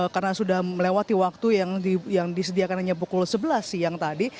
karena sudah melewati waktu yang disediakan hanya pukul sebelas siang tadi